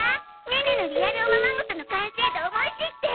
ネネのリアルおままごとの完成度を思い知って！